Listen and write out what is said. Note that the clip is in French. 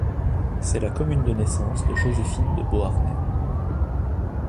C'est la commune de naissance de Joséphine de Beauharnais.